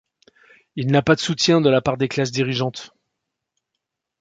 Il n'a pas de soutien de la part de classes dirigeantes.